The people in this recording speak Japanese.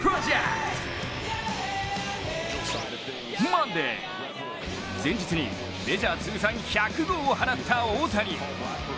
マンデー、前日にメジャー通算１００号を放った大谷。